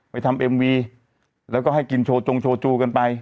ทำเอ็มวีแล้วก็ให้กินโชว์จงโชว์จูกันไป